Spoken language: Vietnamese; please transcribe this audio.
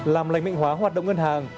làm lành mệnh hóa hoạt động ngân hàng